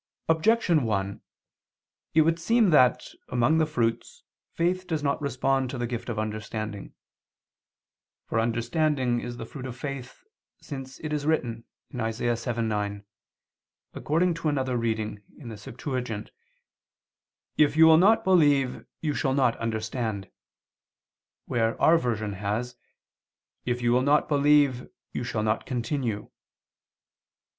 Objection 1: It would seem that, among the fruits, faith does not respond to the gift of understanding. For understanding is the fruit of faith, since it is written (Isa. 7:9) according to another reading [*The Septuagint]: "If you will not believe you shall not understand," where our version has: "If you will not believe, you shall not continue."